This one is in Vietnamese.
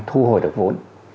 thu hồi được vốn